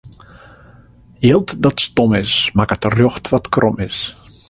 Jild dat stom is, makket rjocht wat krom is.